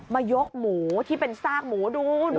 มายกหมูที่เป็นซากหมูดู